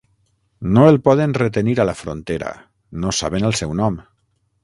No el poden retenir a la frontera; no saben el seu nom.